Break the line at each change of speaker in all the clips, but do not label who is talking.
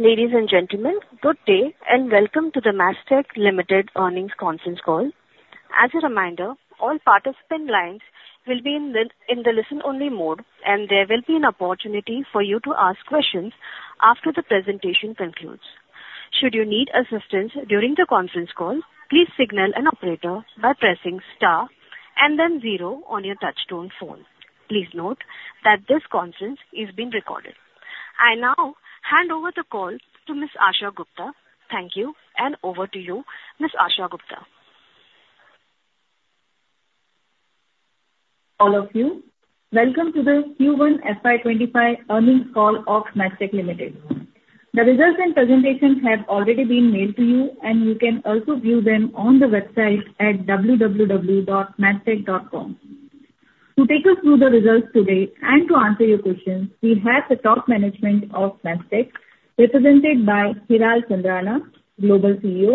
Ladies and gentlemen, good day, and welcome to the Mastek Limited Earnings Conference Call. As a reminder, all participant lines will be in the listen-only mode, and there will be an opportunity for you to ask questions after the presentation concludes. Should you need assistance during the conference call, please signal an operator by pressing star and then zero on your touchtone phone. Please note that this conference is being recorded. I now hand over the call to Miss Asha Gupta. Thank you, and over to you, Miss Asha Gupta.
All of you, welcome to the Q1 FY 2025 Earnings Call of Mastek Limited. The results and presentations have already been mailed to you, and you can also view them on the website at www.mastek.com. To take us through the results today and to answer your questions, we have the top management of Mastek, represented by Hiral Chandrana, Global CEO,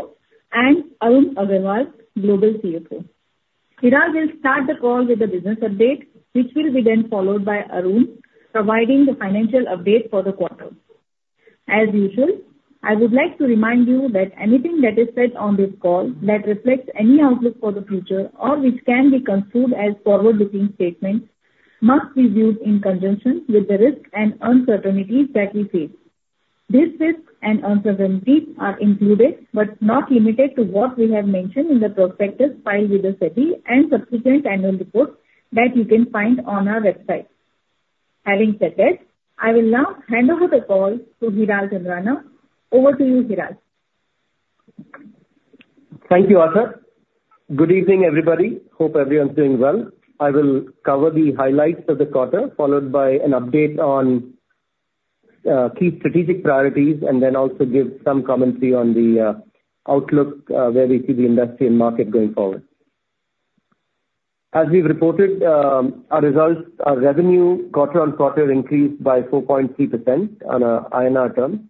and Arun Agarwal, Global CFO. Hiral will start the call with a business update, which will be then followed by Arun, providing the financial update for the quarter. As usual, I would like to remind you that anything that is said on this call that reflects any outlook for the future or which can be construed as forward-looking statements, must be viewed in conjunction with the risks and uncertainties that we face. These risks and uncertainties are included, but not limited to, what we have mentioned in the prospectus filed with the SEBI and subsequent annual reports that you can find on our website. Having said that, I will now hand over the call to Hiral Chandrana. Over to you, Hiral.
Thank you, Asha. Good evening, everybody. Hope everyone's doing well. I will cover the highlights of the quarter, followed by an update on key strategic priorities, and then also give some commentary on the outlook, where we see the industry and market going forward. As we've reported, our results, our revenue quarter-over-quarter increased by 4.3% on a INR term.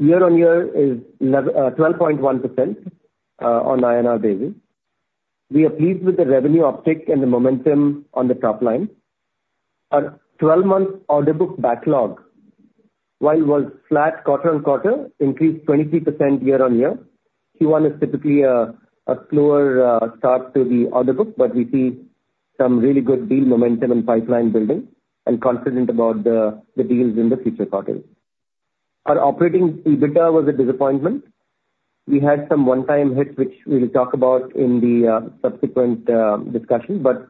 Year-over-year is 12.1%, uh, on INR basis. We are pleased with the revenue uptick and the momentum on the top line. Our 12-month order book backlog, while was flat quarter-over-quarter, increased 23% year-over-year. Q1 is typically a slower start to the order book, but we see some really good deal momentum and pipeline building and confident about the deals in the future quarters. Our operating EBITDA was a disappointment. We had some one-time hits, which we will talk about in the subsequent discussion, but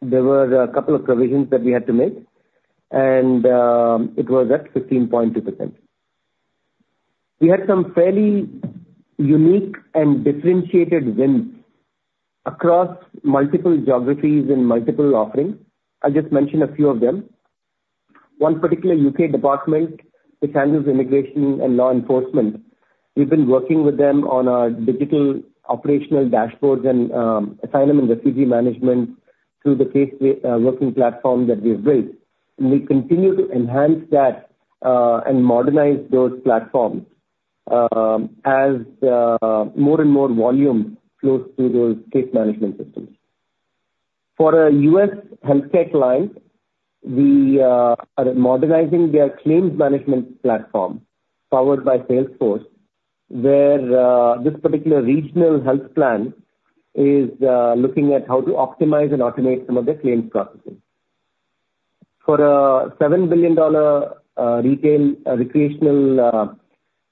there were a couple of provisions that we had to make, and it was at 15.2%. We had some fairly unique and differentiated wins across multiple geographies and multiple offerings. I'll just mention a few of them. One particular U.K. department, which handles immigration and law enforcement, we've been working with them on our digital operational dashboards and asylum and refugee management through the case working platform that we have built. We continue to enhance that and modernize those platforms as more and more volume flows through those case management systems. For a U.S. healthcare client, we are modernizing their claims management platform, powered by Salesforce, where this particular regional health plan is looking at how to optimize and automate some of their claims processes. For a $7 billion retail recreational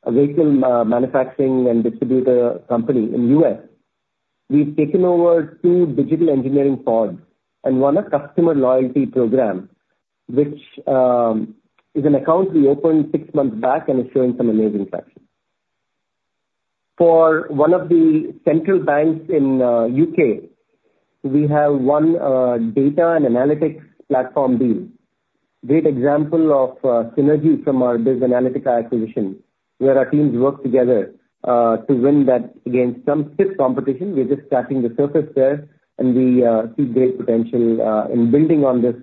vehicle manufacturing and distributor company in U.S., we've taken over two Digital Engineering Pods and won a customer loyalty program, which is an account we opened six months back and is showing some amazing traction. For one of the central banks in U.K., we have won data and analytics platform deal. Great example of synergy from our BizAnalytica acquisition, where our teams worked together to win that against some stiff competition. We're just scratching the surface there, and we see great potential in building on this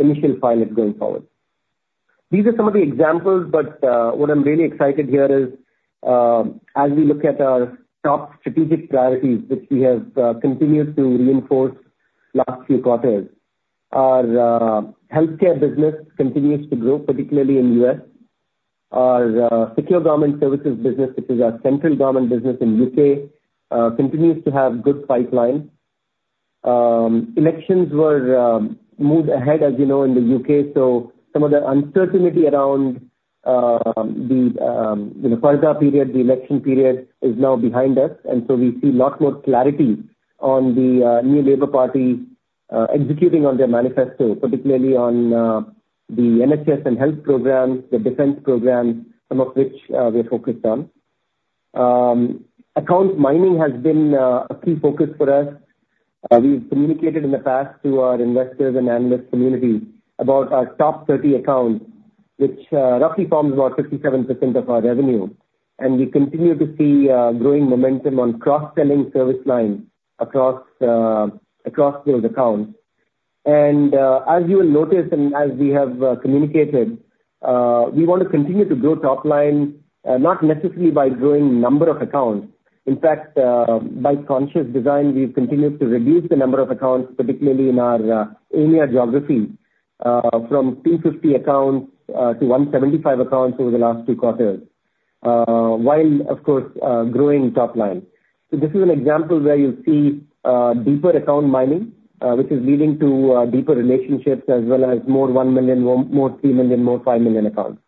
initial pilot going forward. These are some of the examples, but what I'm really excited here is, as we look at our top strategic priorities, which we have continued to reinforce last few quarters, our healthcare business continues to grow, particularly in U.S. Our secure government services business, which is our central government business in U.K., continues to have good pipeline. Elections were moved ahead, as you know, in the U.K., so some of the uncertainty around the you know, Purdah period, the election period, is now behind us, and so we see lot more clarity on the new Labour Party executing on their manifesto, particularly on the NHS and health programs, the defense programs, some of which we are focused on. Accounts mining has been a key focus for us. We've communicated in the past to our investors and analyst community about our top 30 accounts, which roughly forms about 57% of our revenue. We continue to see growing momentum on cross-selling service lines across those accounts. As you will notice and as we have communicated, we want to continue to grow top line, not necessarily by growing number of accounts. In fact, by conscious design, we've continued to reduce the number of accounts, particularly in our EMEA geography, from 250 accounts to 175 accounts over the last two quarters, while of course growing top line. This is an example where you see deeper account mining, which is leading to deeper relationships as well as more $1 million, more $3 million, more $5 million accounts.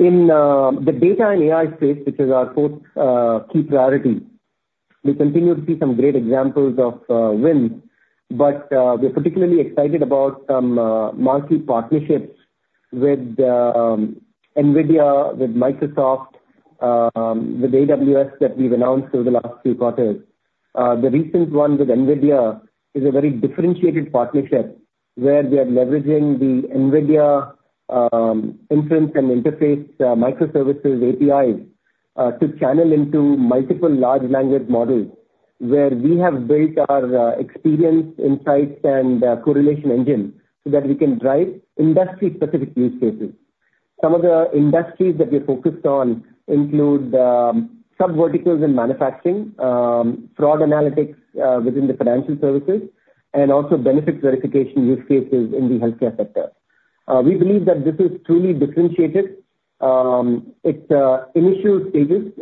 In the data and AI space, which is our fourth key priority, we continue to see some great examples of wins, but we're particularly excited about some multi partnerships with NVIDIA, with Microsoft, with AWS, that we've announced over the last few quarters. The recent one with NVIDIA is a very differentiated partnership where we are leveraging the NVIDIA inference and interface microservices APIs to channel into multiple large language models, where we have built our experience, insights, and correlation engine so that we can drive industry-specific use cases. Some of the industries that we're focused on include some verticals in manufacturing, fraud analytics within the financial services, and also benefit verification use cases in the healthcare sector. We believe that this is truly differentiated. It's initial stages,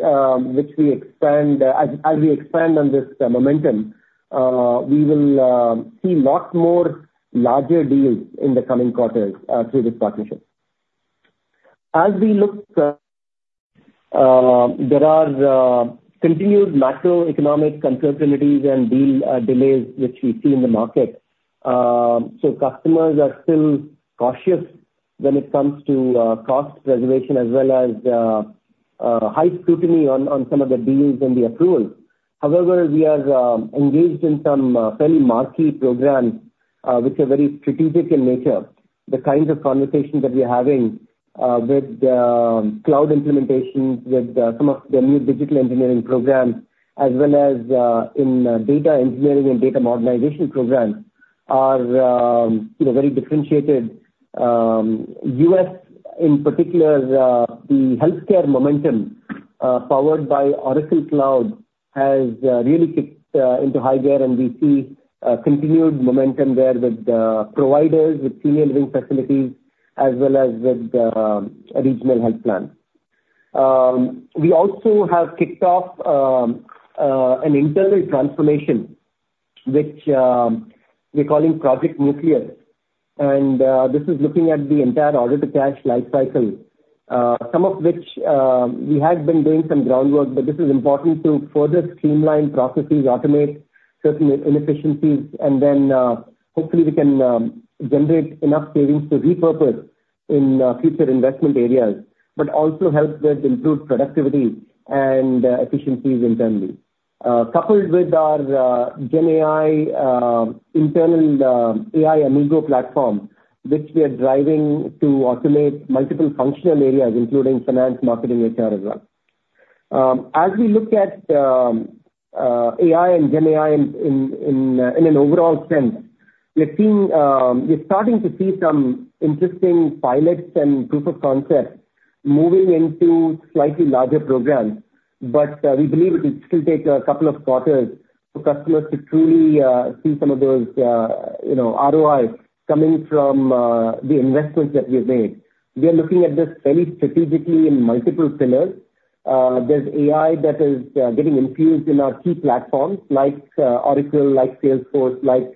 which we expand as we expand on this momentum, we will see lot more larger deals in the coming quarters through this partnership. As we look, there are continued macroeconomic uncertainties and deal delays, which we see in the market. So customers are still cautious when it comes to cost reservation, as well as high scrutiny on some of the deals and the approval. However, we are engaged in some fairly marquee programs which are very strategic in nature. The kinds of conversations that we are having with cloud implementations, with some of the new digital engineering programs, as well as in data engineering and data modernization programs are, you know, very differentiated. U.S., in particular, the healthcare momentum, powered by Oracle Cloud, has really kicked into high gear, and we see continued momentum there with providers, with senior living facilities, as well as with regional health plans. We also have kicked off an internal transformation, which we're calling Project Nuclear. And this is looking at the entire order-to-cash life cycle, some of which we had been doing some groundwork, but this is important to further streamline processes, automate certain inefficiencies, and then hopefully we can generate enough savings to repurpose in future investment areas, but also help us improve productivity and efficiencies internally. Coupled with our GenAI internal AI Amigo platform, which we are driving to automate multiple functional areas, including finance, marketing, HR as well. As we look at AI and GenAI in an overall sense, we're seeing, we're starting to see some interesting pilots and proof of concepts moving into slightly larger programs, but we believe it will still take a couple of quarters for customers to truly see some of those, you know, ROIs coming from the investments that we've made. We are looking at this very strategically in multiple pillars. There's AI that is getting infused in our key platforms like Oracle, like Salesforce, like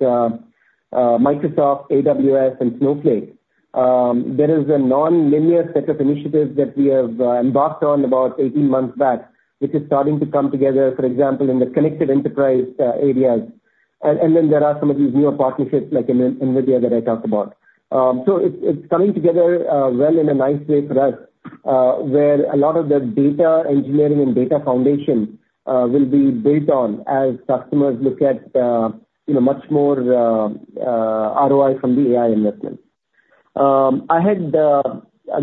Microsoft, AWS, and Snowflake. There is a nonlinear set of initiatives that we have embarked on about 18 months back, which is starting to come together, for example, in the connected enterprise areas. Then there are some of these newer partnerships, like in NVIDIA, that I talked about. So it's coming together, well, in a nice way for us, where a lot of the data engineering and data foundation will be built on as customers look at, you know, much more ROI from the AI investment. I had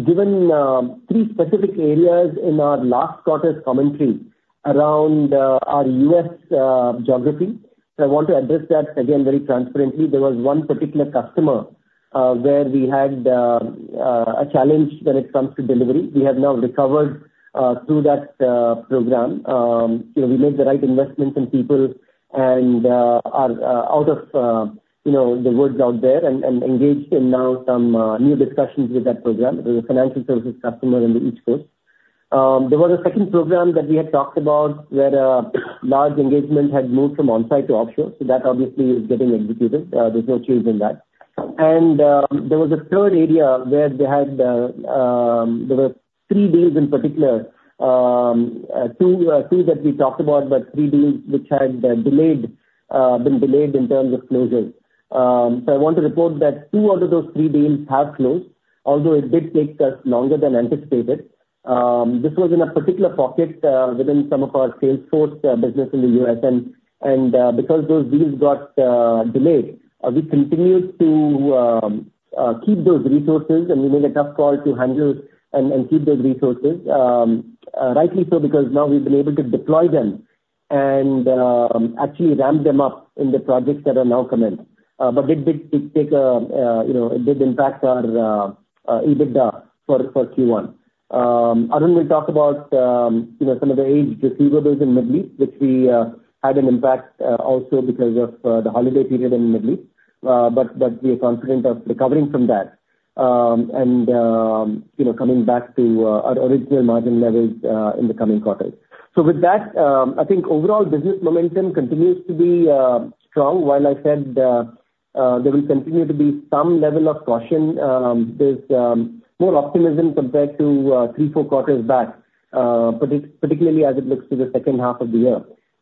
given three specific areas in our last quarter's commentary around our U.S. geography. So I want to address that again very transparently. There was one particular customer where we had a challenge when it comes to delivery. We have now recovered through that program. You know, we made the right investments in people and are out of, you know, the woods out there, and engaged in now some new discussions with that program. It was a financial services customer in the East Coast. There was a second program that we had talked about, where large engagement had moved from on-site to offshore. So that obviously is getting executed. There's no change in that. And there was a third area where we had there were three deals in particular, two, two that we talked about, but three deals which had delayed, been delayed in terms of closures. So I want to report that two out of those three deals have closed, although it did take us longer than anticipated. This was in a particular pocket, within some of our Salesforce business in the U.S. And, because those deals got delayed, we continued to keep those resources, and we made a tough call to handle and keep those resources. Rightly so, because now we've been able to deploy them and actually ramp them up in the projects that are now commenced. But it did take a, you know, it did impact our EBITDA for Q1. Arun will talk about, you know, some of the aged receivables in Middle East, which we had an impact, also because of the holiday period in Middle East. But we are confident of recovering from that. You know, coming back to our original margin levels in the coming quarters. So with that, I think overall business momentum continues to be strong. While I said there will continue to be some level of caution, there's more optimism compared to three, four quarters back, particularly as it looks to the second half of the year.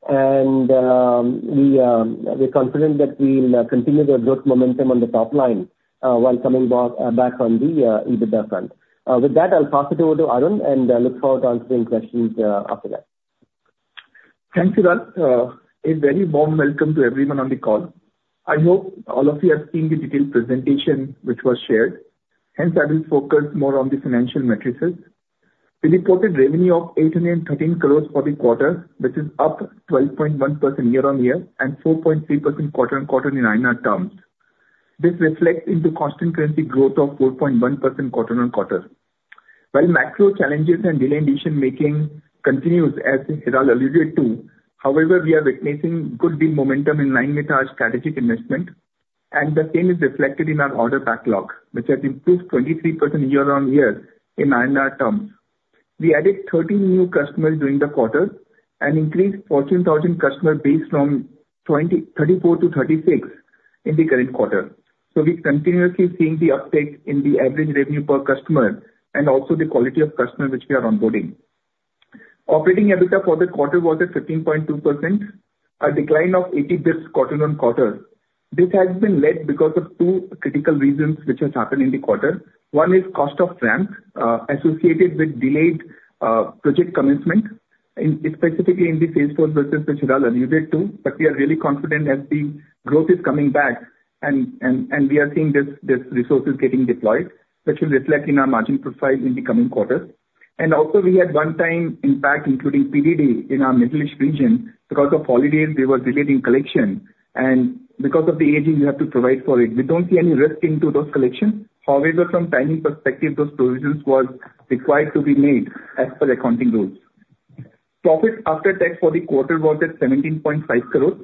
And we're confident that we'll continue the growth momentum on the top line while coming back on the EBITDA front. With that, I'll pass it over to Arun, and look forward to answering questions after that.
Thanks, Hiral. A very warm welcome to everyone on the call. I hope all of you have seen the detailed presentation which was shared, hence I will focus more on the financial metrics. We reported revenue of 813 crore for the quarter, which is up 12.1% year-on-year and 4.3% quarter-on-quarter in INR terms. This reflects in the constant currency growth of 4.1% quarter-on-quarter. While macro challenges and delayed decision-making continues, as Hiral alluded to, however, we are witnessing good deal momentum in line with our strategic investment, and the same is reflected in our order backlog, which has improved 23% year-on-year in INR terms. We added 13 new customers during the quarter and increased Fortune 1000 customer base from 34-36 in the current quarter. We're continuously seeing the uptake in the average revenue per customer and also the quality of customers which we are onboarding. Operating EBITDA for the quarter was at 15.2%, a decline of 80 basis points quarter-on-quarter. This has been led because of two critical reasons which has happened in the quarter. One is cost of ramp associated with delayed project commencement, and specifically in the Salesforce business, which Hiral alluded to, but we are really confident as the growth is coming back, and we are seeing this resources getting deployed, which will reflect in our margin profile in the coming quarters. And also, we had one-time impact, including PDD in our Middle East region. Because of holidays, we were delaying collection, and because of the aging, we have to provide for it. We don't see any risk into those collections. However, from timing perspective, those provisions was required to be made as per accounting rules. Profits after tax for the quarter was at 17.5 crores,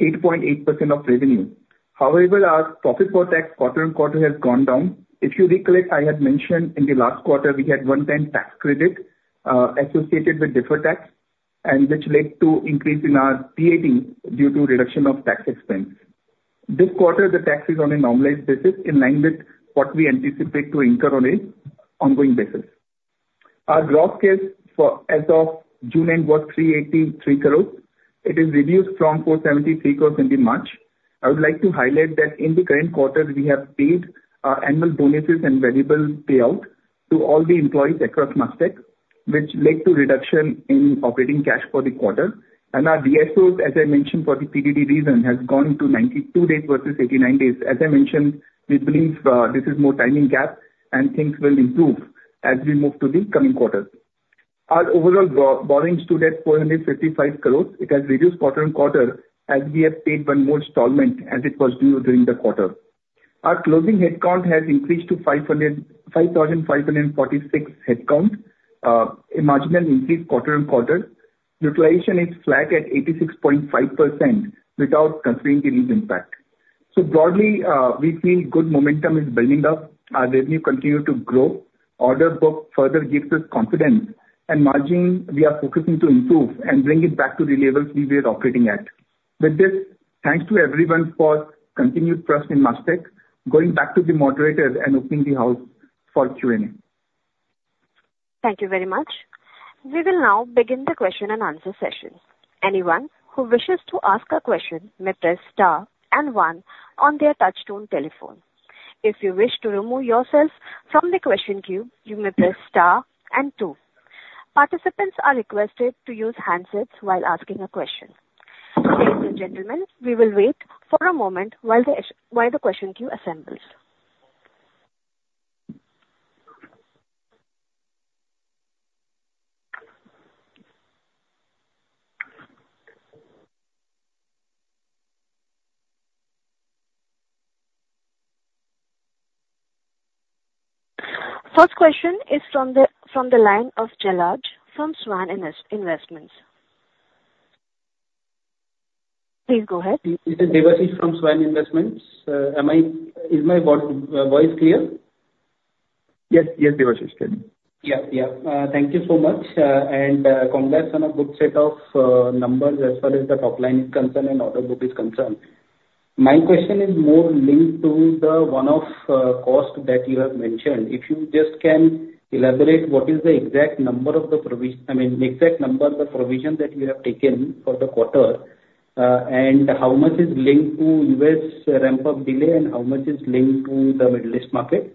8.8% of revenue. However, our profit for tax quarter-on-quarter has gone down. If you recollect, I had mentioned in the last quarter, we had one-time tax credit associated with deferred tax, and which led to increase in our PAT due to reduction of tax expense. This quarter, the tax is on a normalized basis in line with what we anticipate to incur on a ongoing basis. Our gross cash as of June end was 383 crores. It is reduced from 473 crores in March. I would like to highlight that in the current quarter, we have paid our annual bonuses and variable payout to all the employees across Mastek, which led to reduction in operating cash for the quarter. Our DSOs, as I mentioned, for the PDD reason, has gone to 92 days versus 89 days. As I mentioned, we believe, this is more timing gap and things will improve as we move to the coming quarters. Our overall borrowings stood at 455 crore. It has reduced quarter-on-quarter, as we have paid one more installment as it was due during the quarter. Our closing headcount has increased to 5,546 headcount, a marginal increase quarter-on-quarter. Utilization is flat at 86.5% without considering the lease impact. Broadly, we feel good momentum is building up. Our revenue continue to grow, order book further gives us confidence, and margin, we are focusing to improve and bring it back to the levels we were operating at. With this, thanks to everyone for continued trust in Mastek. Going back to the moderator and opening the house for Q&A.
Thank you very much. We will now begin the question-and-answer session. Anyone who wishes to ask a question may press star and one on their touchtone telephone. If you wish to remove yourself from the question queue, you may press star and two. Participants are requested to use handsets while asking a question. Ladies and gentlemen, we will wait for a moment while the question queue assembles. First question is from the line of Jalaj from Svan Investments. Please go ahead. This is Debashis from Svan Investments. Is my voice clear?
Yes, yes, Debashis. Clearly.
Yeah, yeah. Thank you so much, and congrats on a good set of numbers as far as the top line is concerned and order book is concerned. My question is more linked to the one-off cost that you have mentioned. If you just can elaborate, what is the exact number of the, I mean, exact number, the provision that you have taken for the quarter, and how much is linked to U.S. ramp-up delay, and how much is linked to the Middle East market?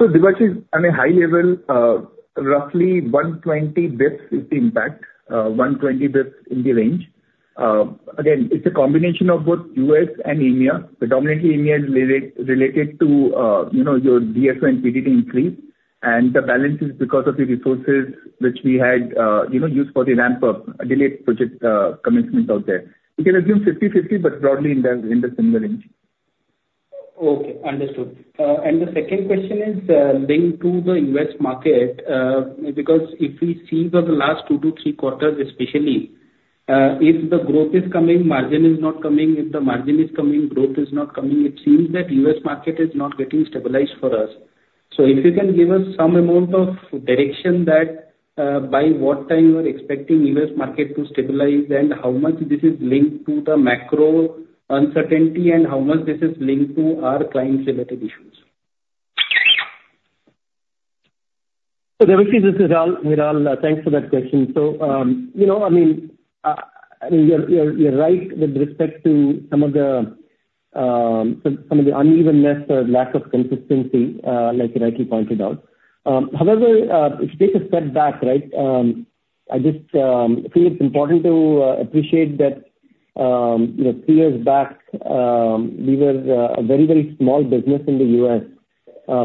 So, Debashis, on a high level, roughly 120 basis points is the impact, 120 basis points in the range. Again, it's a combination of both U.S. and EMEA. Predominantly, EMEA is related to, you know, your DSO and PDD increase, and the balance is because of the resources which we had, you know, used for the ramp up, delayed project, commencement out there. You can assume 50/50, but broadly in the, in the similar range.
Okay, understood. The second question is linked to the US market, because if we see for the last two to three quarters, especially, if the growth is coming, margin is not coming, if the margin is coming, growth is not coming. It seems that U.S. market is not getting stabilized for us. So if you can give us some amount of direction that by what time you are expecting U.S. market to stabilize, and how much this is linked to the macro uncertainty, and how much this is linked to our client-related issues?
So Debashis, this is Hiral. Hiral, thanks for that question. So, you know, I mean, I mean, you're right with respect to some of the unevenness or lack of consistency, like you rightly pointed out. However, if you take a step back, right, I just feel it's important to appreciate that, you know, three years back, we were a very, very small business in the U.S.,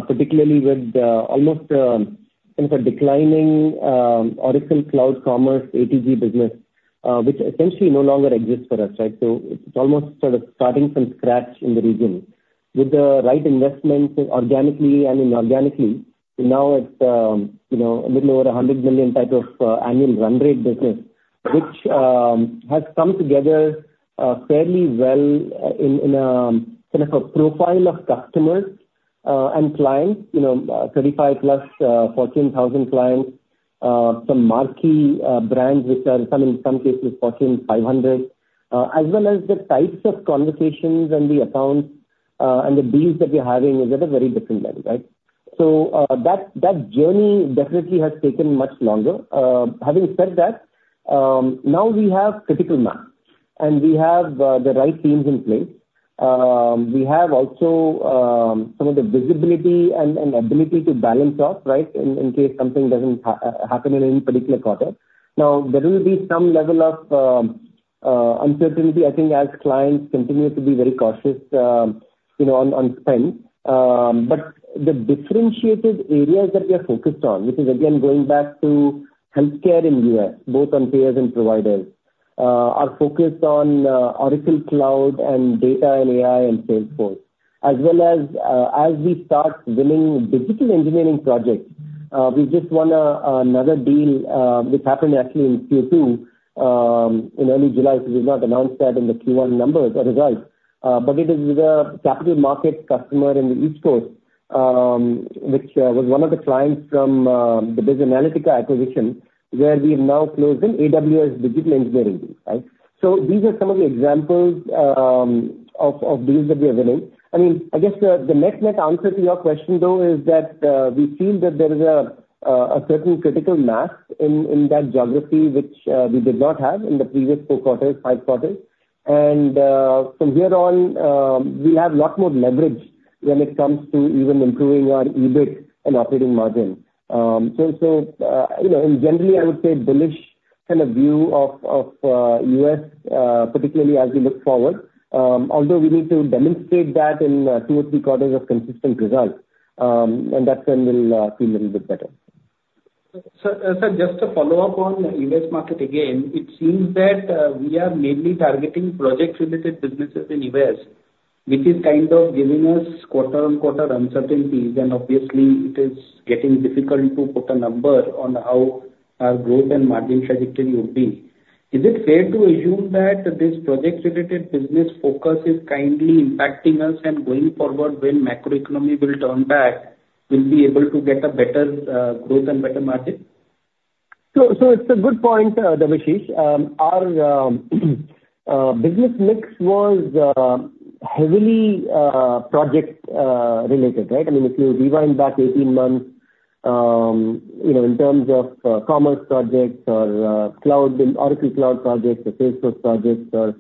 particularly with almost kind of a declining Oracle Cloud Commerce ATG business, which essentially no longer exists for us, right? So it's almost sort of starting from scratch in the region. With the right investments, organically and inorganically, now it's, you know, a little over $100 million type of annual run rate business, which has come together fairly well in kind of a profile of customers and clients, you know, 35+ Fortune 1000 clients, some marquee brands which are some, in some cases, Fortune 500. As well as the types of conversations and the accounts and the deals that we're having is at a very different level, right? So, that journey definitely has taken much longer. Having said that, now we have critical mass, and we have the right teams in place. We have also some of the visibility and ability to balance off, right, in case something doesn't happen in any particular quarter. Now, there will be some level of uncertainty, I think, as clients continue to be very cautious, you know, on spend. But the differentiated areas that we are focused on, which is again, going back to healthcare in the U.S., both on payers and providers, are focused on Oracle Cloud and data and AI and Salesforce. As well as, as we start winning digital engineering projects, we just won another deal, which happened actually in Q2, in early July. So we've not announced that in the Q1 numbers or results. But it is with a capital market customer in the East Coast, which was one of the clients from the BizAnalytica acquisition, where we have now closed an AWS digital engineering deal, right? So these are some of the examples, of deals that we are winning. I mean, I guess the net answer to your question, though, is that we feel that there is a certain critical mass in that geography, which we did not have in the previous four quarters, five quarters. And from here on, we'll have lot more leverage when it comes to even improving our EBIT and operating margin. So you know, in general, I would say bullish kind of view of U.S., particularly as we look forward, although we need to demonstrate that in two or three quarters of consistent results, and that then will feel a little bit better.
Sir, just to follow up on U.S. market again, it seems that we are mainly targeting project-related businesses in U.S., which is kind of giving us quarter-on-quarter uncertainties, and obviously it is getting difficult to put a number on how our growth and margin trajectory would be. Is it fair to assume that this project-related business focus is kindly impacting us, and going forward, when macroeconomy will turn back, we'll be able to get a better growth and better margin?
So, it's a good point, Debashis. Our business mix was heavily project related, right? I mean, if you rewind back 18 months, you know, in terms of commerce projects or cloud, Oracle Cloud projects, or Salesforce projects, or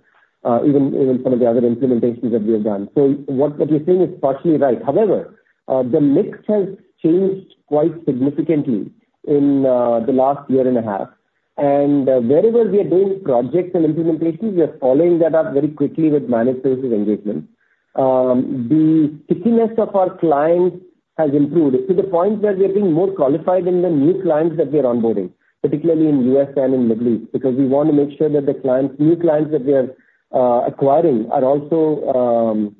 even some of the other implementations that we have done. So what you're saying is partially right. However, the mix has changed quite significantly in the last year and a half, and wherever we are doing projects and implementations, we are following that up very quickly with managed services engagement. The stickiness of our clients has improved to the point where we are being more qualified in the new clients that we are onboarding, particularly in U.S. and in Middle East, because we want to make sure that the clients, new clients that we are acquiring, are also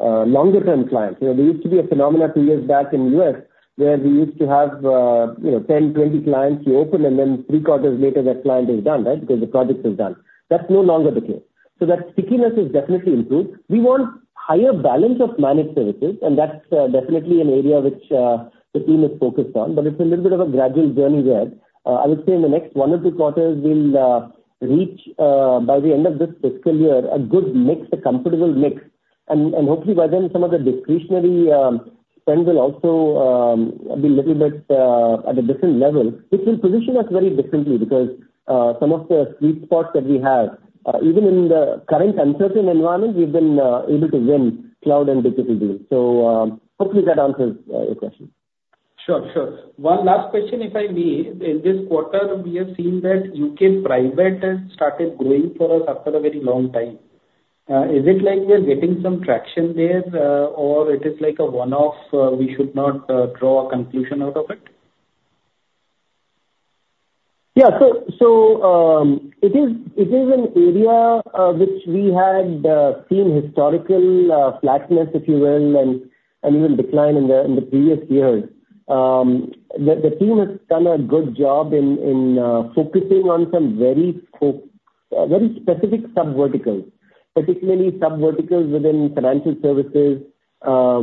longer-term clients. You know, there used to be a phenomenon two years back in U.S., where we used to have 10, 20 clients we open, and then three quarters later, that client is done, right? Because the project is done. That's no longer the case. So that stickiness has definitely improved. We want higher balance of managed services, and that's definitely an area which the team is focused on, but it's a little bit of a gradual journey there. I would say in the next one or two quarters, we'll reach by the end of this fiscal year, a good mix, a comfortable mix, and hopefully by then some of the discretionary spend will also be little bit at a different level, which will position us very differently. Because some of the sweet spots that we have even in the current uncertain environment, we've been able to win cloud and digital deals. So, hopefully that answers your question.
Sure, sure. One last question, if I may. In this quarter, we have seen that U.K. private has started growing for us after a very long time. Is it like we are getting some traction there, or it is like a one-off, we should not draw a conclusion out of it?
Yeah. So it is an area which we had seen historical flatness, if you will, and even decline in the previous years. The team has done a good job in focusing on some very specific sub-verticals, particularly sub-verticals within financial services.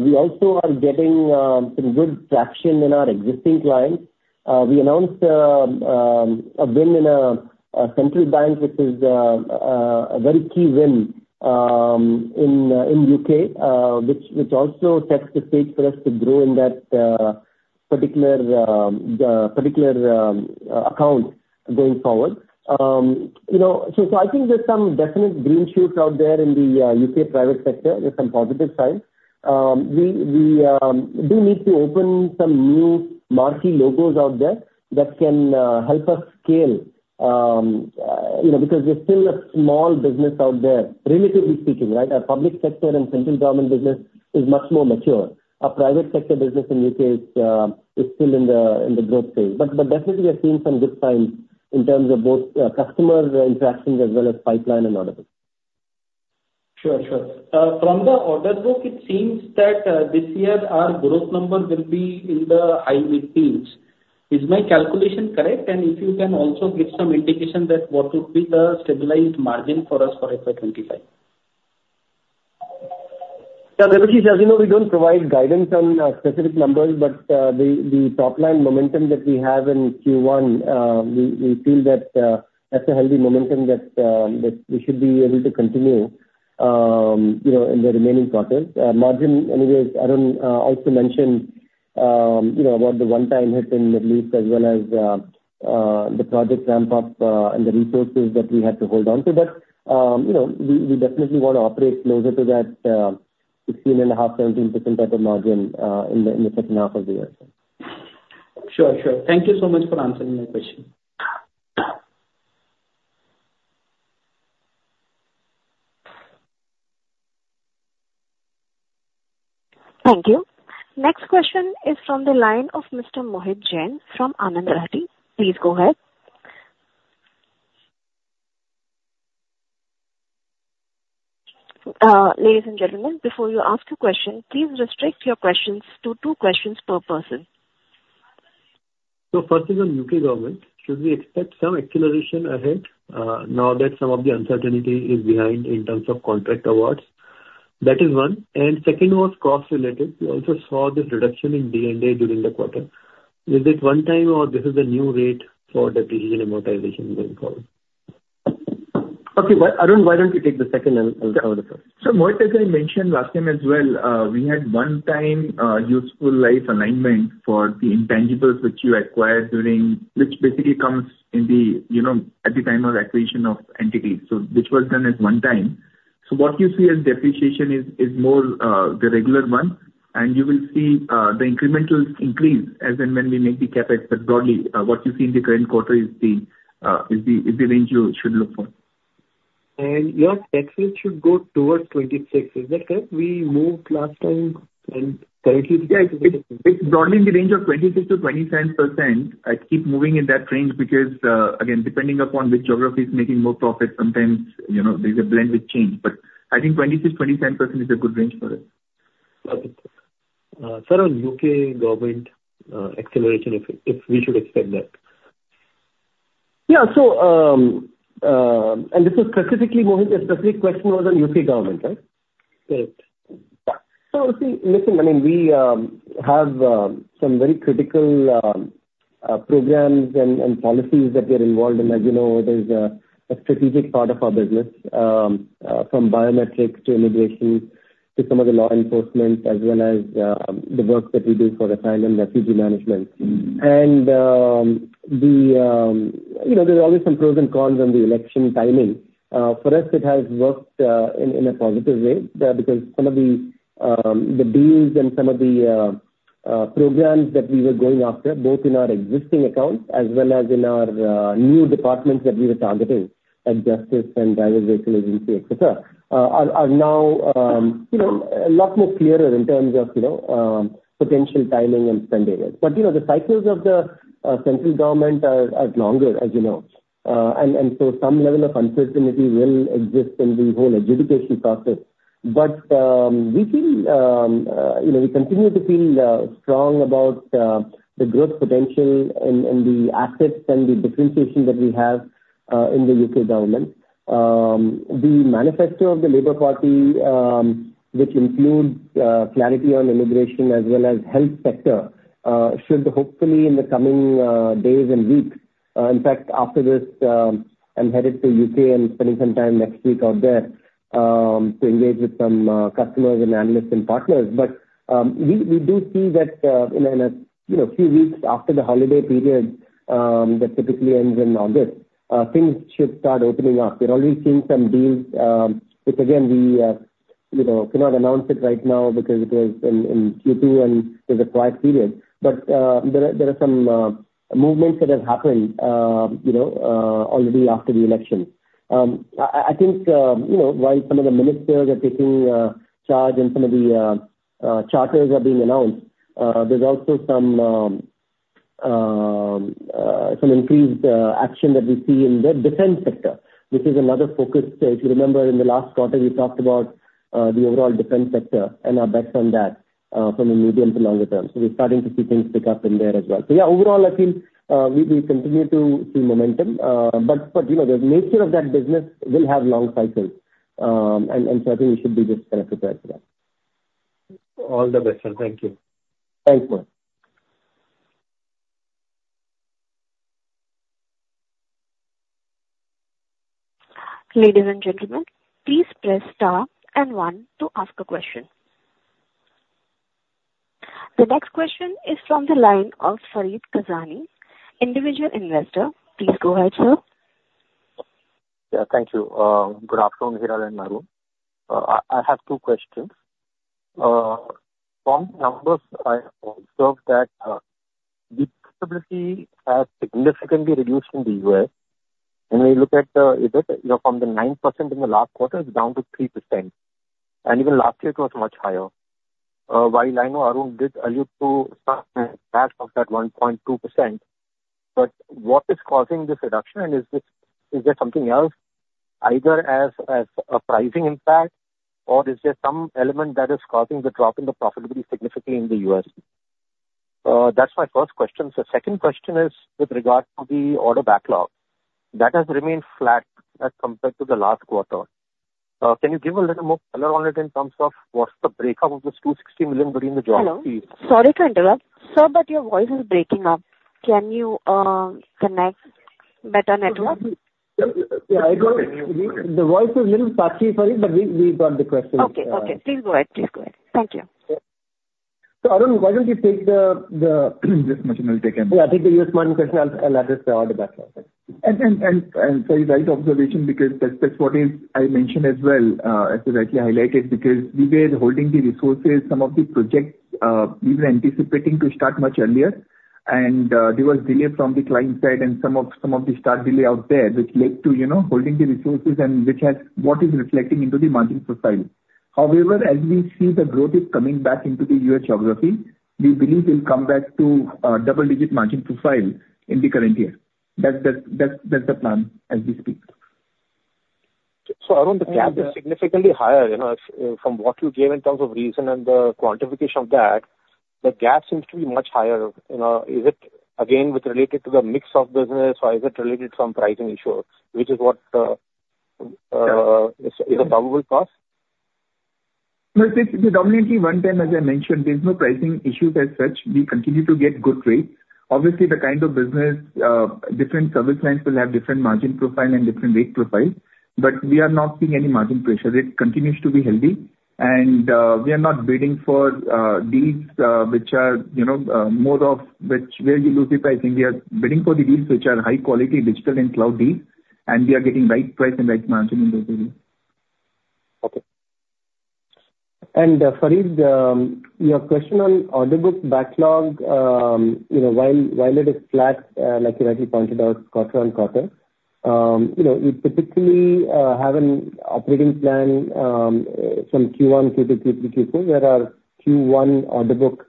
We also are getting some good traction in our existing clients. We announced a win in a central bank, which is a very key win, in U.K., which also sets the stage for us to grow in that particular account going forward. You know, so I think there's some definite green shoots out there in the U.K. private sector with some positive signs. We do need to open some new marquee logos out there that can help us scale, you know, because we're still a small business out there, relatively speaking, right? Our public sector and central government business is much more mature. Our private sector business in U.K. is still in the growth phase. But definitely we are seeing some good signs in terms of both customer interactions as well as pipeline and other things.
Sure, sure. From the order book, it seems that this year our growth number will be in the high teens. Is my calculation correct? And if you can also give some indication that what would be the stabilized margin for us for FY 2025?
Yeah, Debashish, as you know, we don't provide guidance on specific numbers, but the top-line momentum that we have in Q1, we feel that that's a healthy momentum that we should be able to continue, you know, in the remaining quarters. Margin, anyways, Arun also mentioned, you know, about the one-time hit in Middle East as well as the project ramp up and the resources that we had to hold on to. But, you know, we definitely want to operate closer to that 16.5%-17% type of margin in the second half of the year.
Sure, sure. Thank you so much for answering my question.
Thank you. Next question is from the line of Mr. Mohit Jain from Anand Rathi. Please go ahead. Ladies and gentlemen, before you ask a question, please restrict your questions to two questions per person.
First is on U.K. government. Should we expect some acceleration ahead, now that some of the uncertainty is behind in terms of contract awards? That is one. Second was cost related. We also saw this reduction in D&A during the quarter. Is it one time, or this is the new rate for the depreciation amortization going forward?
Okay. Why, Arun, why don't you take the second and I'll cover the first.
So Mohit, as I mentioned last time as well, we had one time, useful life alignment for the intangibles, which you acquired during, which basically comes in the, you know, at the time of acquisition of entities, so which was done as one time. So what you see as depreciation is, is more, the regular one, and you will see, the incrementals increase as and when we make the CapEx. But broadly, what you see in the current quarter is the, is the range you should look for.
Your tax rate should go towards 26%, is that correct?
We moved last time, and currently- Yeah, it's broadly in the range of 26%-27%. I keep moving in that range because, again, depending upon which geography is making more profit, sometimes, you know, there's a blend with change. But I think 26%-27% is a good range for it.
Okay. Sir, on U.K. government acceleration, if we should expect that?
Yeah. So, and this is specifically, Mohit, the specific question was on U.K. government, right?
Correct.
Yeah. So see, listen, I mean, we have some very critical programs and policies that we are involved in. As you know, there's a strategic part of our business from biometrics to immigration to some of the law enforcement, as well as the work that we do for asylum refugee management. You know, there's always some pros and cons on the election timing. For us, it has worked in a positive way, because some of the deals and some of the programs that we were going after, both in our existing accounts as well as in our new departments that we were targeting, like Justice and Driver and Vehicle Agency, et cetera, are now you know, a lot more clearer in terms of you know, potential timing and spending it. But you know, the cycles of the central government are longer, as you know. And so some level of uncertainty will exist in the whole adjudication process. But, we feel, you know, we continue to feel strong about the growth potential and, and the assets and the differentiation that we have in the U.K. government. The manifesto of the Labour Party, which includes clarity on immigration as well as health sector, should hopefully in the coming days and weeks. In fact, after this, I'm headed to U.K. and spending some time next week out there to engage with some customers and analysts and partners. But, we, we do see that, in a, you know, few weeks after the holiday period that typically ends in August, things should start opening up. We're already seeing some deals, which again, we, you know, cannot announce it right now because it was in, in Q2, and it's a quiet period. But there are some movements that have happened, you know, already after the election. I think, you know, while some of the ministers are taking charge and some of the charters are being announced, there's also some increased action that we see in the defense sector. This is another focus. So if you remember in the last quarter, we talked about the overall defense sector and our bets on that, from a medium to longer term. So we're starting to see things pick up in there as well. So yeah, overall, I think we continue to see momentum. But, you know, the nature of that business will have long cycles. And so I think we should be just kind of prepared for that.
All the best, sir. Thank you.
Thanks, Mohit.
Ladies and gentlemen, please press star and one to ask a question. The next question is from the line of Farid Kazani, individual investor. Please go ahead, sir.
Yeah, thank you. Good afternoon, Hiral and Arun. I have two questions. From the numbers, I observed that the profitability has significantly reduced in the U.S. When we look at it, you know, from the 9% in the last quarter, it's down to 3%, and even last year it was much higher. While I know Arun did allude to some of that 1.2%, but what is causing this reduction? And is this - is there something else, either as a pricing impact, or is there some element that is causing the drop in the profitability significantly in the U.S.? That's my first question. The second question is with regard to the order backlog. That has remained flat as compared to the last quarter. Can you give a little more color on it in terms of what's the breakup of this $260 million between the jobs, please?
Hello. Sorry to interrupt, sir, but your voice is breaking up. Can you connect better network?
Yeah, I got it. The voice is a little patchy for me, but we, we got the question.
Okay. Okay, please go ahead. Please go ahead. Thank you.
So, Arun, why don't you take the U.S. margin question and I'll address the order backlog.
And Farid right observation, because that's what I mentioned as well, as you rightly highlighted, because we were holding the resources, some of the projects, we were anticipating to start much earlier. And there was delay from the client side and some of the start delay out there, which led to, you know, holding the resources and which has what is reflecting into the margin profile. However, as we see the growth is coming back into the U.S. geography, we believe it'll come back to double-digit margin profile in the current year. That's the plan as we speak.
So Arun, the gap is significantly higher. You know, from what you gave in terms of reason and the quantification of that, the gap seems to be much higher. You know, is it again, with related to the mix of business or is it related to some pricing issue? Which is what, is a probable cause?
No, it's predominantly one time, as I mentioned, there's no pricing issues as such. We continue to get good rates. Obviously, the kind of business, different service lines will have different margin profile and different rate profile, but we are not seeing any margin pressure. It continues to be healthy, and we are not bidding for deals, which are, you know, more of which, where you lose the pricing. We are bidding for the deals which are high quality, digital and cloud deals, and we are getting right price and right margin in those areas.
Okay. Farid, your question on order book backlog, you know, while it is flat, like you rightly pointed out, quarter-on-quarter. You know, we typically have an operating plan from Q1, Q2, Q3, Q4, where our Q1 order book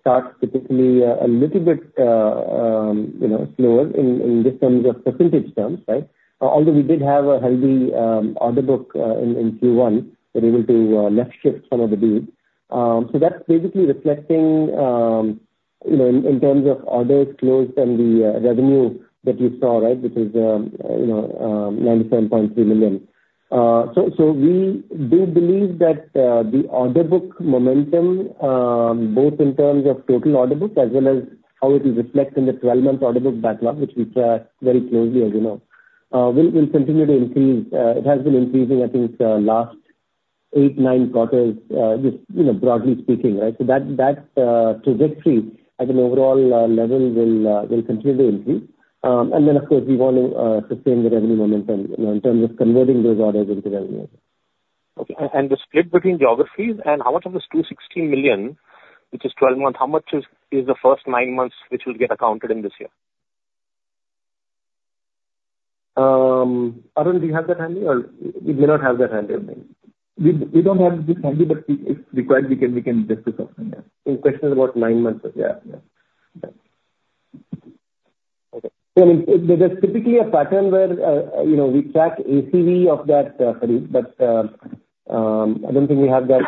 starts typically a little bit, you know, slower in just terms of percentage terms, right? Although we did have a healthy order book in Q1, we were able to left shift some of the deals. So that's basically reflecting, you know, in terms of orders closed and the revenue that you saw, right? Which is, you know, 97.3 million. So, so we do believe that, the order book momentum, both in terms of total order book as well as how it will reflect in the 12-month order book backlog, which we track very closely, as you know, will, will continue to increase. It has been increasing, I think, last eight, nine quarters, just, you know, broadly speaking, right? So that, that, trajectory at an overall, level will, will continue to increase. And then, of course, we want to, sustain the revenue momentum, you know, in terms of converting those orders into revenue.
Okay. And the split between geographies and out of this $260 million, which is 12 months, how much is the first 9 months, which will get accounted in this year?
Arun, do you have that handy or you may not have that handy?
We don't have this handy, but if required, we can just discuss on that.
The question is about 9 months, yeah. Yeah.
Okay.
So there's typically a pattern where, you know, we track ACV of that, Farid, but, I don't think we have that,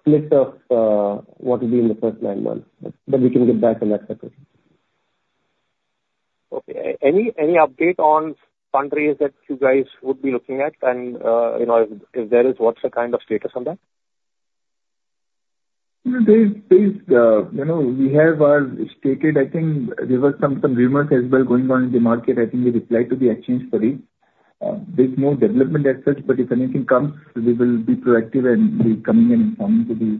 split of, what would be in the first nine months, but we can get back on that separate.
Okay. Any update on countries that you guys would be looking at? And, you know, if there is, what's the kind of status on that?
There is, you know, we have stated. I think there were some rumors as well going on in the market. I think we replied to the exchange, Farid. There's no development as such, but if anything comes, we will be proactive and be coming to the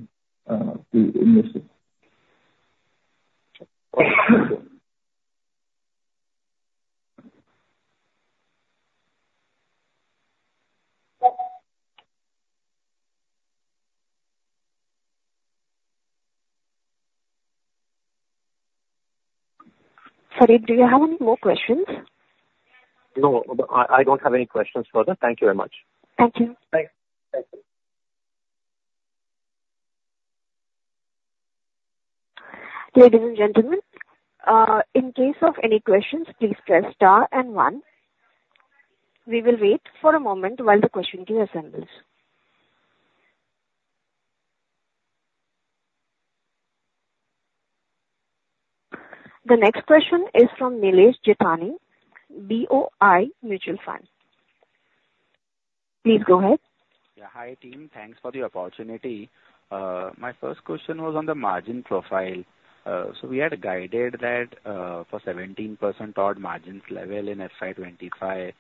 investors.
Sorry, do you have any more questions?
No, I don't have any questions further. Thank you very much.
Thank you.
Thank you.
Ladies and gentlemen, in case of any questions, please press star and one. We will wait for a moment while the question queue assembles. The next question is from Nilesh Jethani, Bank of India Mutual Fund. Please go ahead.
Yeah. Hi, team. Thanks for the opportunity. My first question was on the margin profile. So we had guided that, for 17% odd margins level in FY 2025,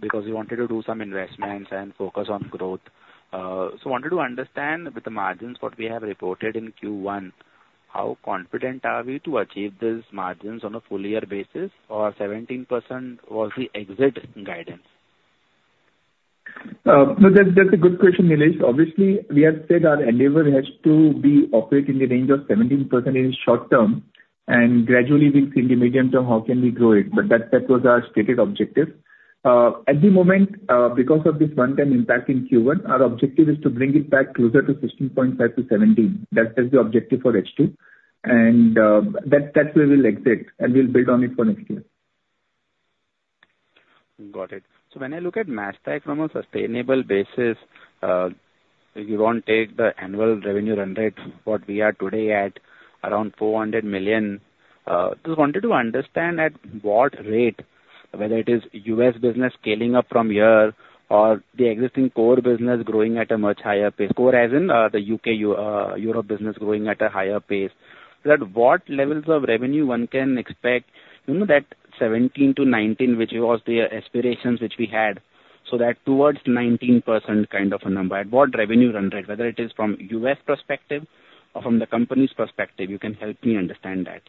because we wanted to do some investments and focus on growth. So wanted to understand with the margins, what we have reported in Q1, how confident are we to achieve these margins on a full year basis, or 17% was the exit guidance?
No, that's, that's a good question, Nilesh. Obviously, we have said our endeavor has to be operate in the range of 17% in short term, and gradually we'll see in the medium term, how can we grow it? But that, that was our stated objective. At the moment, because of this one-time impact in Q1, our objective is to bring it back closer to 16.5%-17%. That is the objective for H2 and, that, that we will exit and we'll build on it for next year.
Got it. So when I look at Mastek from a sustainable basis, if you want to take the annual revenue run rate, what we are today at around $400 million. Just wanted to understand at what rate, whether it is U.S. business scaling up from here or the existing core business growing at a much higher pace. Core as in, the U.K., Europe business growing at a higher pace. So at what levels of revenue one can expect, you know, that 17%-19%, which was the aspirations which we had, so that towards 19% kind of a number, at what revenue run rate? Whether it is from U.S. perspective or from the company's perspective, you can help me understand that.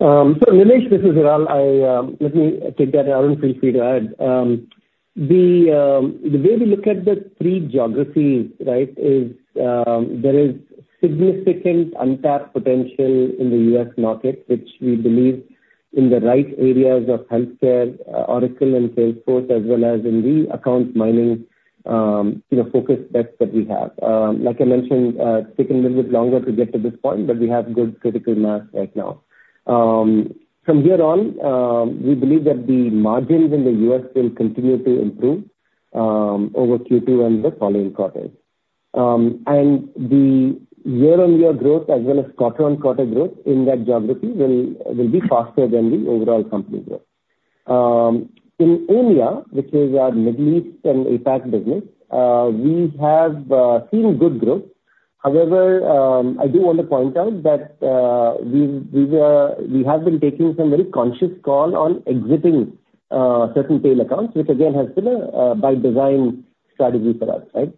So, Nilesh, this is Hiral. Let me take that. Arun, feel free to add. The way we look at the three geographies, right, is there is significant untapped potential in the U.S. market, which we believe in the right areas of healthcare, Oracle and Salesforce, as well as in the account mining, you know, focus bets that we have. Like I mentioned, taken a little bit longer to get to this point, but we have good critical mass right now. From here on, we believe that the margins in the U.S. will continue to improve over Q2 and the following quarters. The year-on-year growth as well as quarter-on-quarter growth in that geography will be faster than the overall company growth. In EMEA, which is our Middle East and APAC business, we have seen good growth. However, I do want to point out that, we have been taking some very conscious call on exiting certain tail accounts, which again, has been a by design strategy for us, right?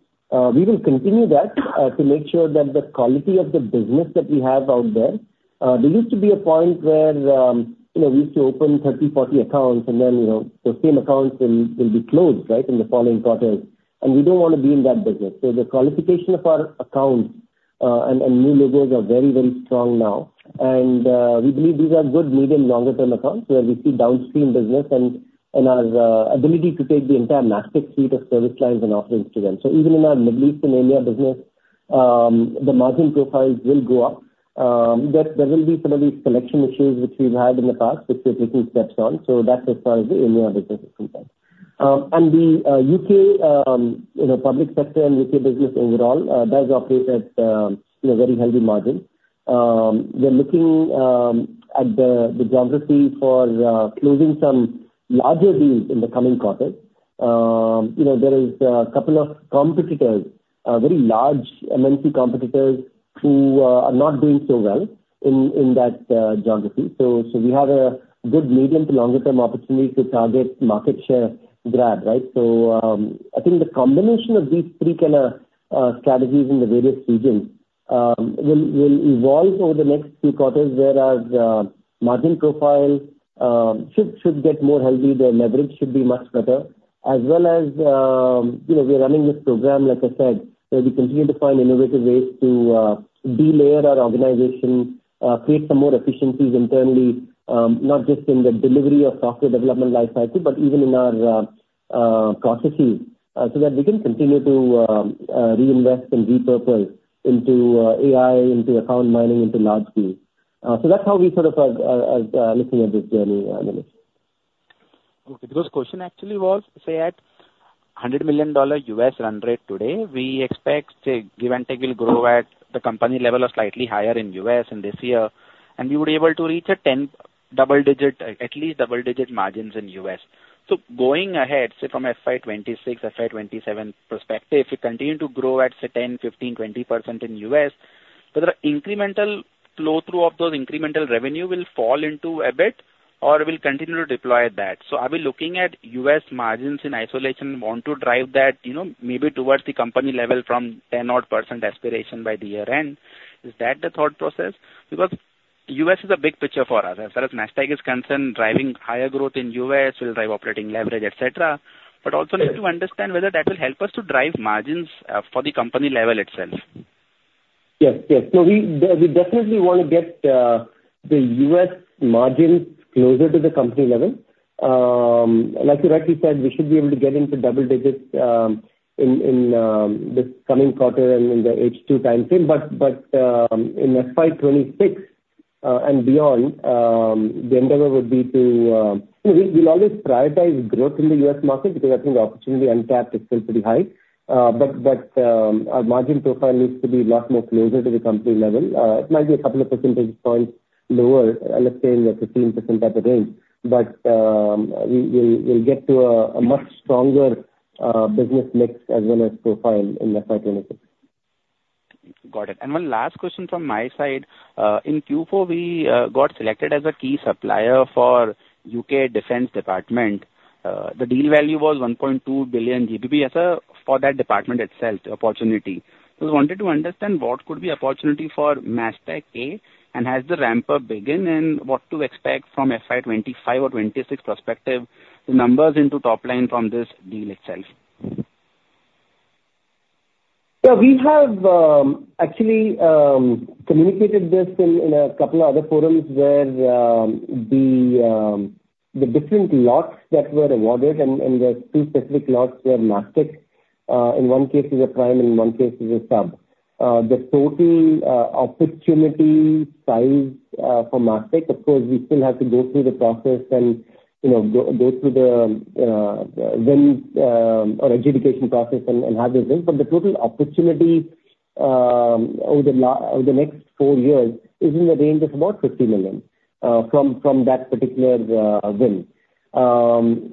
We will continue that, to make sure that the quality of the business that we have out there. There used to be a point where, you know, we used to open 30-40 accounts and then, you know, the same accounts will be closed, right? In the following quarters. And we don't want to be in that business. So the qualification of our accounts, and new logos are very, very strong now. And, we believe these are good medium, longer term accounts, where we see downstream business and, and our ability to take the entire Mastek suite of service lines and offerings to them. So even in our Middle East and EMEA business, the margin profiles will go up. That there will be some of these collection issues which we've had in the past, which we're taking steps on. So that as far as the EMEA business is concerned. And the U.K., you know, public sector and U.K. business overall does operate at, you know, very healthy margin. We are looking at the geography for closing some larger deals in the coming quarters. You know, there is a couple of competitors, very large MNC competitors who are not doing so well in that geography. So we have a good medium to longer term opportunity to target market share grab, right? So I think the combination of these three kind of strategies in the various regions will evolve over the next few quarters. Whereas margin profile should get more healthy, the leverage should be much better. As well as you know, we are running this program, like I said, where we continue to find innovative ways to delayer our organization, create some more efficiencies internally, not just in the delivery of software development lifecycle, but even in our processes, so that we can continue to reinvest and repurpose into AI, into account mining, into large scale. So that's how we sort of looking at this journey, Nilesh.
Okay. Because question actually was, say, at $100 million U.S. run rate today, we expect, say, give and take, will grow at the company level or slightly higher in U.S. in this year, and we would be able to reach a 10 double digit, at least double digit margins in U.S. So going ahead, say, from FY 2026, FY 2027 perspective, we continue to grow at, say, 10%, 15%, 20% in U.S. So the incremental flow through of those incremental revenue will fall into EBIT or will continue to deploy that? So are we looking at US margins in isolation, want to drive that, you know, maybe towards the company level from 10%-odd aspiration by the year-end? Is that the thought process? Because U.S. is a big picture for us. As far as Mastek is concerned, driving higher growth in U..S will drive operating leverage, et cetera. But also need to understand whether that will help us to drive margins, for the company level itself.
Yes, yes. So we definitely want to get the U.S. margins closer to the company level. Like you rightly said, we should be able to get into double digits in this coming quarter and in the H2 time frame. But in FY 2026 and beyond, the endeavor would be to, you know, we'll always prioritize growth in the U.S. market, because I think the opportunity untapped is still pretty high. But our margin profile needs to be a lot more closer to the company level. It might be a couple of percentage points lower, let's say, in the 15% type of range. But we'll get to a much stronger business mix as well as profile in FY 2026.
Got it. And one last question from my side. In Q4, we got selected as a key supplier for U.K. Defense Department. The deal value was 1.2 billion GBP as for that department itself, the opportunity. So I wanted to understand, what could be opportunity for Mastek, and has the ramp-up begun, and what to expect from FY 2025 or 2026 perspective, the numbers into top line from this deal itself?
So we have actually communicated this in a couple of other forums where the different lots that were awarded and the two specific lots were Mastek. In one case is a prime, in one case is a sub. The total opportunity size for Mastek, of course, we still have to go through the process and, you know, go through the win or adjudication process and have the win. But the total opportunity over the next four years is in the range of about 50 million from that particular win. Like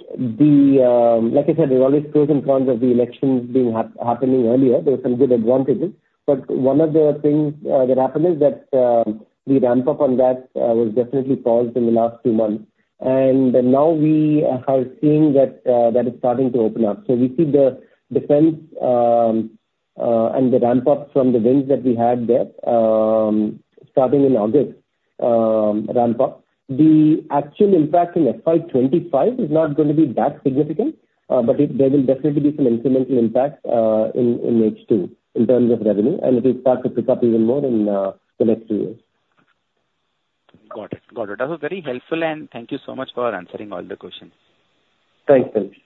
I said, there are always pros and cons of the elections being happening earlier. There are some good advantages, but one of the things that happened is that the ramp-up on that was definitely paused in the last two months. And now we are seeing that that is starting to open up. So we see the defense and the ramp-up from the wins that we had there starting in August ramp-up. The actual impact in FY 2025 is not going to be that significant, but there will definitely be some incremental impact in H2, in terms of revenue, and it will start to pick up even more in the next two years.
Got it. Got it. That was very helpful, and thank you so much for answering all the questions.
Thanks, thank you.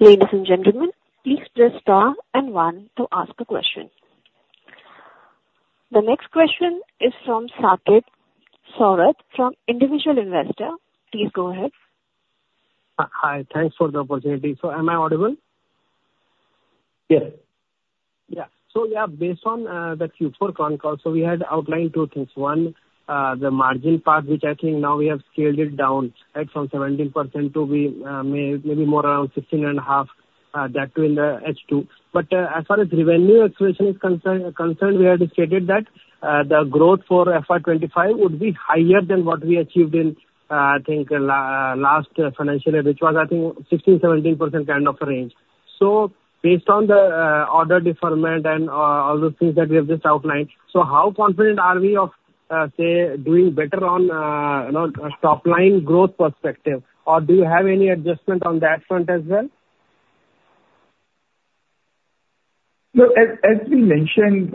Ladies and gentlemen, please press star and one to ask a question. The next question is from Saket Sorat, from Individual Investor. Please go ahead.
Hi, thanks for the opportunity. So am I audible?
Yes.
Yeah. So, yeah, based on the Q4 phone call, so we had outlined two things. One, the margin part, which I think now we have scaled it down, right, from 17% to, maybe more around 16.5%, that will H2. But, as far as revenue expression is concerned, we had stated that the growth for FY 2025 would be higher than what we achieved in, I think, last financial year, which was, I think, 16%-17% kind of range. So based on the order deferment and all the things that we have just outlined, so how confident are we of, say, doing better on, you know, top line growth perspective? Or do you have any adjustment on that front as well?
No, as we mentioned,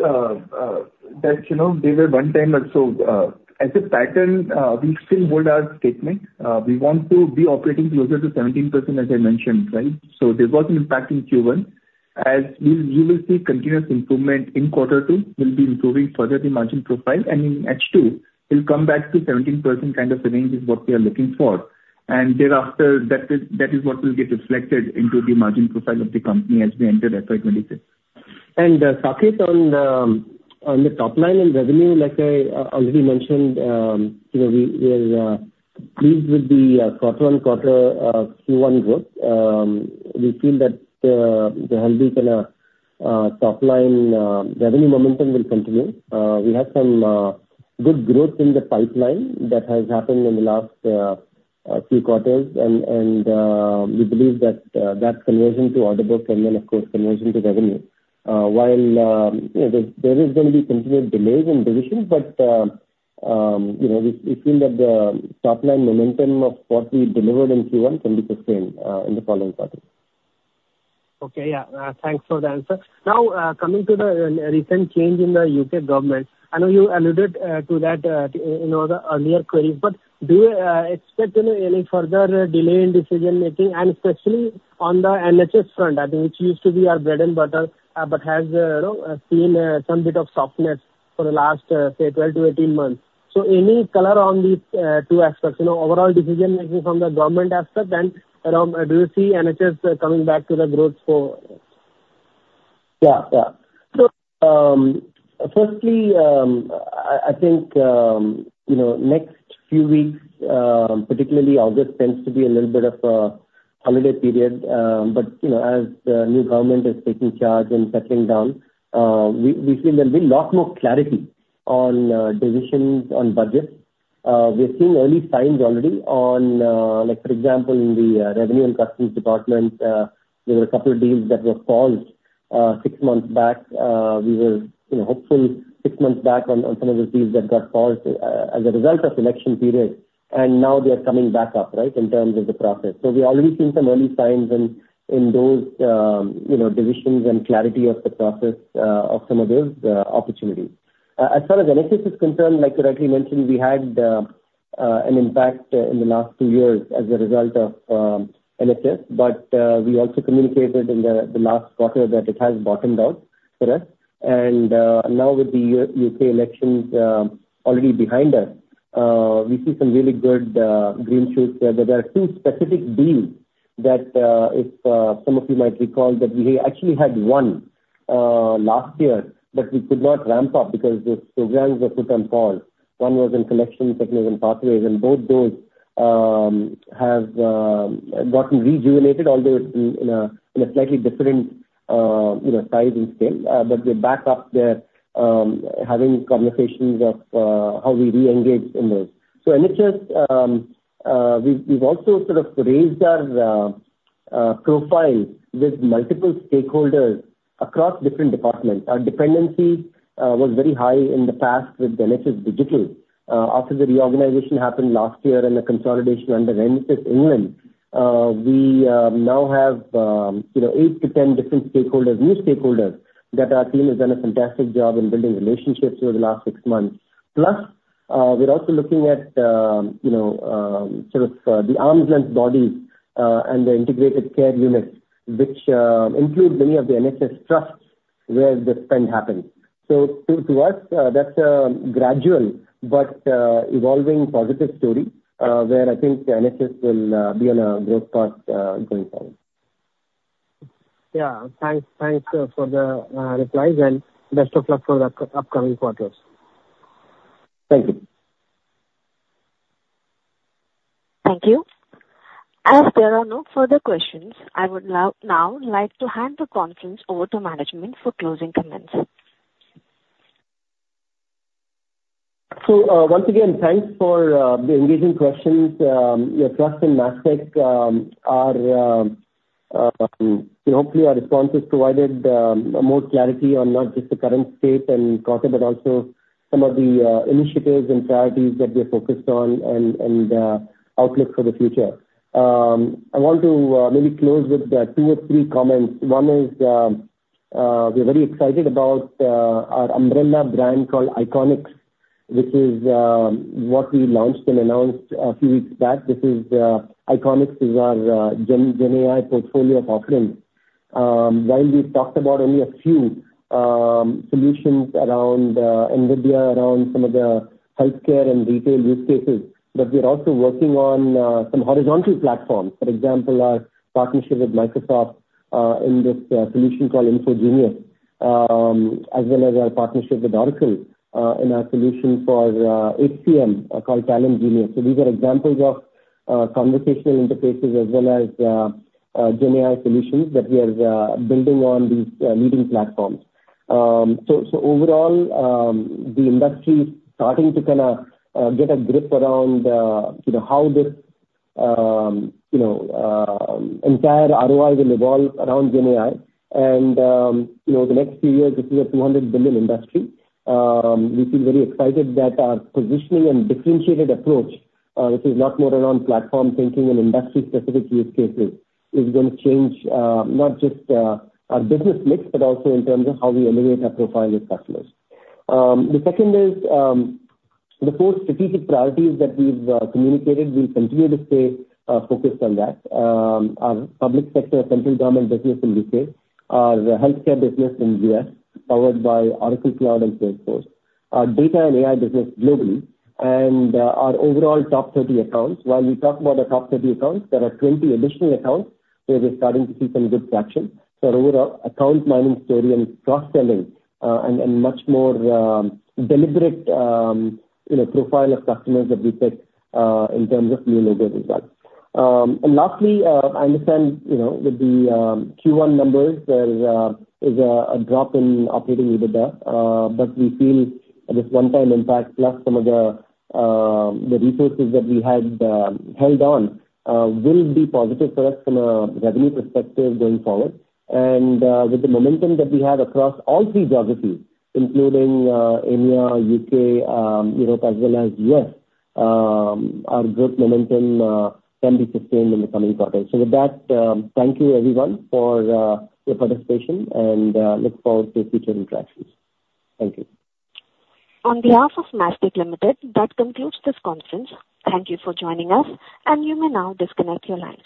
that you know they were one time and so, as a pattern, we still hold our statement. We want to be operating closer to 17%, as I mentioned, right? So there was an impact in Q1, as you will see continuous improvement in quarter two, we'll be improving further the margin profile, and in H2, we'll come back to 17% kind of range is what we are looking for. And thereafter, that is what will get reflected into the margin profile of the company as we enter FY 2026.
And, Saket, on the top line and revenue, like I already mentioned, you know, we are pleased with the quarter-on-quarter Q1 growth. We feel that the healthy kind of top line revenue momentum will continue. We have some good growth in the pipeline that has happened in the last three quarters. We believe that that's conversion to order book and then, of course, conversion to revenue. While, you know, there is going to be continued delays in decisions, but, you know, we feel that the top-line momentum of what we delivered in Q1 can be sustained in the following quarters.
Okay. Yeah, thanks for the answer. Now, coming to the recent change in the U.K. government, I know you alluded to that, you know, the earlier queries, but do you expect, you know, any further delay in decision-making, and especially on the NHS front, I think, which used to be our bread and butter, but has, you know, seen some bit of softness for the last, say, 12-18 months? So any color on these two aspects, you know, overall decision-making from the government aspect, and, around, do you see NHS coming back to the growth for?
Yeah, yeah. So, firstly, I think, you know, next few weeks, particularly August tends to be a little bit of a holiday period, but, you know, as the new government is taking charge and settling down, we feel there'll be a lot more clarity on decisions on budgets. We're seeing early signs already on, like for example, in the revenue and customs department, there were a couple of deals that were paused six months back. We were, you know, hopeful six months back on some of the deals that got paused as a result of election period, and now they're coming back up, right? In terms of the process. So we've already seen some early signs in those, you know, divisions and clarity of the process, of some of those, opportunities. As far as NHS is concerned, like correctly mentioned, we had an impact in the last two years as a result of NHS, but we also communicated in the last quarter that it has bottomed out for us. And now with the U.K. elections already behind us, we see some really good green shoots there. There are two specific deals that, if some of you might recall, that we actually had one last year, but we could not ramp up because the programs were put on pause. One was in collections, one was in pathways, and both those have gotten rejuvenated, although in a slightly different, you know, size and scale. But we're back up there, having conversations of how we reengage in those. So NHS, we've also sort of raised our profile with multiple stakeholders across different departments. Our dependency was very high in the past with NHS Digital. After the reorganization happened last year and the consolidation under NHS England, we now have, you know, eight to 10 different stakeholders, new stakeholders, that our team has done a fantastic job in building relationships over the last six months. Plus, we're also looking at, you know, sort of, the arm's-length bodies, and the integrated care units, which include many of the NHS trusts, where the spend happens. So to us, that's a gradual but evolving positive story, where I think the NHS will be on a growth path, going forward.
Yeah. Thanks. Thanks for the replies, and best of luck for the upcoming quarters.
Thank you.
Thank you. As there are no further questions, I would now like to hand the conference over to management for closing comments.
So, once again, thanks for the engaging questions, your trust in Mastek. So hopefully our responses provided more clarity on not just the current state and quarter, but also some of the initiatives and priorities that we are focused on and outlook for the future. I want to maybe close with two or three comments. One is, we're very excited about our umbrella brand called iConniX, which is what we launched and announced a few weeks back. This is iConniX is our GenAI portfolio offering. While we've talked about only a few solutions around NVIDIA, around some of the healthcare and retail use cases, but we're also working on some horizontal platforms. For example, our partnership with Microsoft, in this solution called InfoGENius, as well as our partnership with Oracle, in our solution for, HCM, called TalentGENius. So these are examples of, conversational interfaces as well as, GenAI solutions that we are, building on these, leading platforms. So, so overall, the industry's starting to kind of, get a grip around, you know, how this, you know, entire ROI will evolve around GenAI. And, you know, the next few years, this is a $200 billion industry. We feel very excited that our positioning and differentiated approach, which is not more around platform thinking and industry-specific use cases, is gonna change, not just, our business mix, but also in terms of how we elevate our profile with customers. The second is the four strategic priorities that we've communicated, we'll continue to stay focused on that. Our public sector, central government business in the U.K., our healthcare business in U.S., powered by Oracle Cloud and Salesforce, our data and AI business globally, and our overall top 30 accounts. While we talk about the top 30 accounts, there are 20 additional accounts where we're starting to see some good traction. So overall, account management story and cross-selling, and much more deliberate, you know, profile of customers that we take in terms of new logos as well. And lastly, I understand, you know, with the Q1 numbers, there is a drop in operating EBITDA, but we feel this one-time impact, plus some of the resources that we had held on, will be positive for us from a revenue perspective going forward. And with the momentum that we have across all three geographies, including India, U.K., Europe, as well as U.S., our growth momentum can be sustained in the coming quarters. So with that, thank you everyone for your participation, and look forward to future interactions. Thank you.
On behalf of Mastek Limited, that concludes this conference. Thank you for joining us, and you may now disconnect your lines.